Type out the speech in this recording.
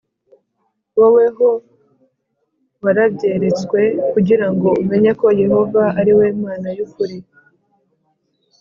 Wowe ho warabyeretswe kugira ngo umenye ko Yehova ari we Mana y’ukuri,